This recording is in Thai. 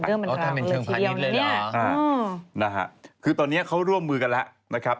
เป็นเรื่องบันกลางเลยทีเดียวนี้อ๋อนะฮะคือตอนนี้เขาร่วมมือกันแล้วนะครับ